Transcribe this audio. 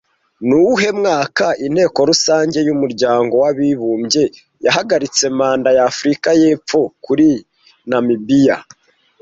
Ni uwuhe mwaka, Inteko rusange y’umuryango w’abibumbye yahagaritse manda ya Afurika yepfo kuri Namibiya